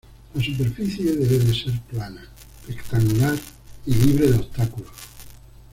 La superficie debe ser plana, rectangular y libre de obstáculos.